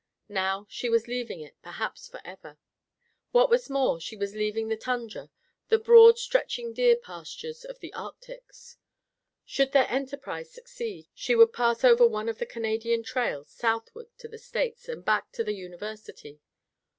Now she was leaving it, perhaps forever. What was more, she was leaving the tundra; the broad stretching deer pastures of the Arctics. Should their enterprise succeed, she would pass over one of the Canadian trails, southward to the States and back to the University.